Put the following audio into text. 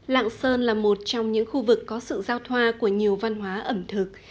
lạng sơn là một trong những khu vực có sự giao thoa của nhiều văn hóa ẩm thực